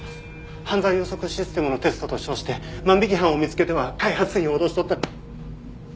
犯罪予測システムのテストと称して万引き犯を見つけては開発費を脅し取ったり。